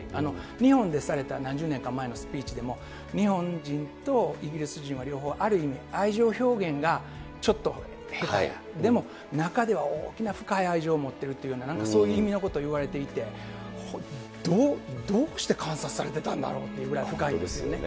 日本でされた何十年か前のスピーチでも、日本人とイギリス人は両方ある意味、愛情表現がちょっと下手で、でも、中では大きな深い愛情を持っているというような、そういう意味のことを言われていて、どうして観察されてたんだろうというぐらい深いですね。